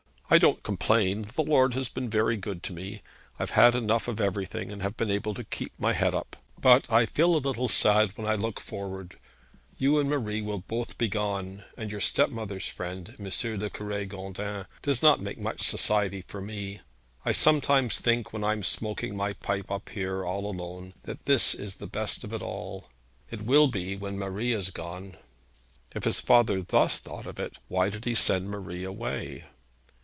I don't complain. The Lord has been very good to me. I've had enough of everything, and have been able to keep my head up. But I feel a little sad when I look forward. You and Marie will both be gone; and your stepmother's friend, M. le Cure Gondin, does not make much society for me. I sometimes think, when I am smoking a pipe up here all alone, that this is the best of it all; it will be when Marie has gone.' If his father thus thought of it, why did he send Marie away?